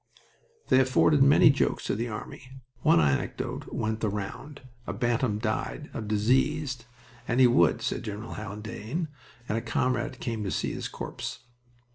They afforded many jokes to the army. One anecdote went the round. A Bantam died of disease ("and he would," said General Haldane) and a comrade came to see his corpse.